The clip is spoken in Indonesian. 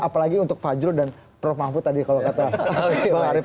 apalagi untuk fajrul dan prof mahfud tadi kalau kata bang arief